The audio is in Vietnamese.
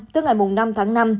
tức ngày năm tháng năm